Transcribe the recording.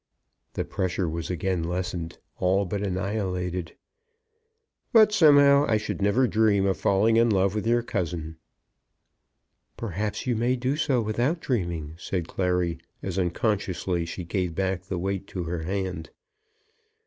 The pressure was again lessened, all but annihilated. "But, somehow, I should never dream of falling in love with your cousin." "Perhaps you may do so without dreaming," said Clary, as unconsciously she gave back the weight to her hand.